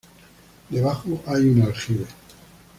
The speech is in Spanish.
Debajo hay un aljibe.